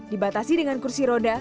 dibatasi dengan kursi roda